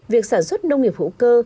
việc sản xuất nông nghiệp hữu cơ